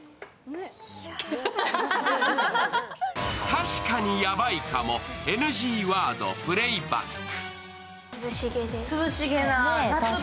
たしかにヤバいかもＮＧワード、プレイバック。